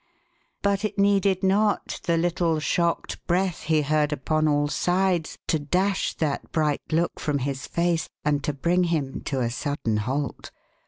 But it needed not the little shocked breath he heard upon all sides to dash that bright look from his face and to bring him to a sudden halt.